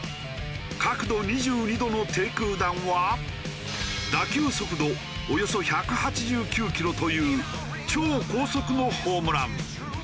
角度２２度の低空弾は打球速度およそ１８９キロという超高速のホームラン。